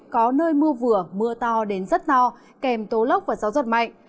có nơi mưa vừa mưa to đến rất to kèm tố lốc và gió giật mạnh